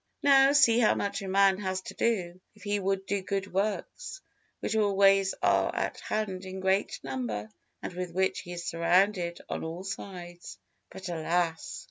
Now see how much a man has to do, if he would do good works, which always are at hand in great number, and with which he is surrounded on all sides; but, alas!